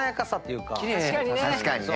確かにね。